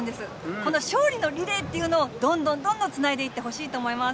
この勝利のリレーというのを、どんどんどんどんつないでいってほしいと思います。